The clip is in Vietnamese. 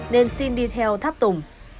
nên xin đi theo tháp tủng